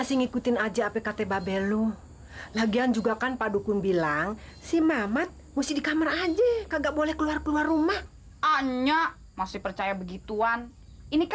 sampai jumpa di video selanjutnya